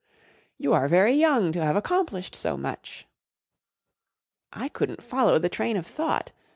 " You are very young to have accomplished so much !" I couldn't follow the train of thought.